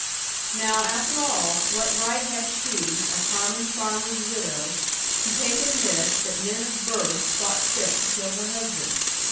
Now, after all, what right had she, a common farmer's widow, to take it amiss that men of birth thought fit to kill her husband.